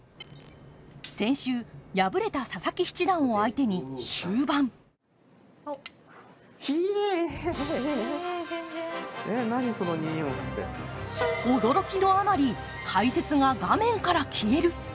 先週、敗れた佐々木七段を相手に終盤驚きのあまり解説が画面から消える。